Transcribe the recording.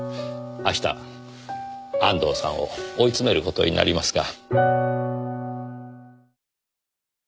明日安藤さんを追い詰める事になりますが。